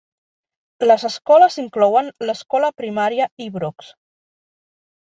Les escoles inclouen l'Escola Primària Ibrox.